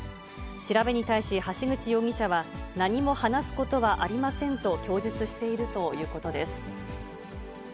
調べに対し橋口容疑者は、何も話すことはありませんと、供述しているということです。